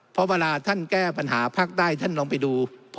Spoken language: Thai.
เพราะเวลาท่านแก้ปัญหาภาคใต้ท่านลองไปดู